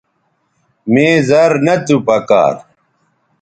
مے زر نہ تو پکار